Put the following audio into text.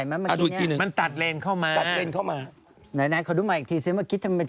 ยังไม่มา